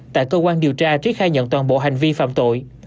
tại cơ quan điều tra trí khai nhận toàn bộ hành vi phạm tội